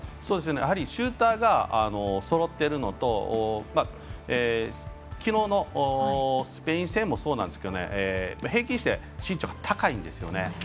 やはりシューターがそろっているのときのうのスペイン戦もそうなんですけど平均して身長が高いんですよね。